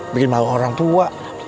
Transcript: bikin malu orang tua